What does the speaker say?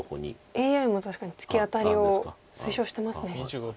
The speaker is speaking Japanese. ＡＩも確かにツキアタリを推奨してますね。